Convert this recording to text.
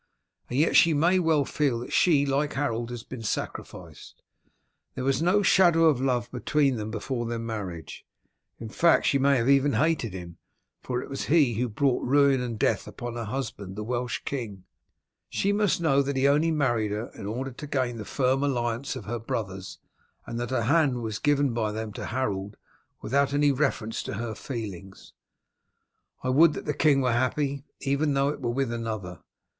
And yet she may well feel that she, like Harold, has been sacrificed. There was no shadow of love between them before their marriage, in fact she may even have hated him, for it was he who brought ruin and death upon her husband, the Welsh king. She must know that he only married her in order to gain the firm alliance of her brothers, and that her hand was given by them to Harold without any reference to her feelings. I would that the king were happy, even though it were with another.